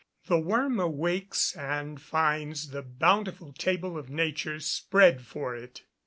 The worm awakes and finds the bountiful table of nature spread for it.